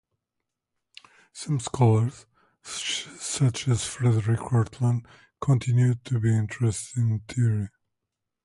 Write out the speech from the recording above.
Some scholars, such as Frederik Kortlandt, continued to be interested in the theory.